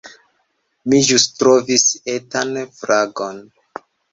Mi ĵus trovis etan fragon